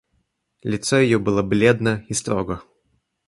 Лицо ее было бледно и строго.